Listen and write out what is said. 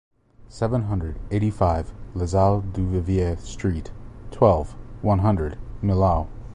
Seven hundred eighty-five les Hauts du Vivier street, twelve, one hundred, Millau